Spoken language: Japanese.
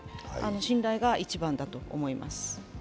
信頼が一番だと思います。